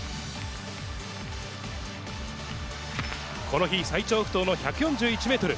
この日、最長不倒の１４１メートル。